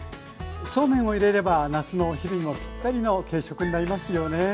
そうめんを入れれば夏のお昼にもぴったりの軽食になりますよね。